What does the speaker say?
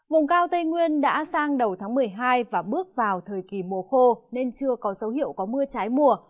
vùng cao tây nguyên đã sang đầu tháng một mươi hai và bước vào thời kỳ mùa khô nên chưa có dấu hiệu có mưa trái mùa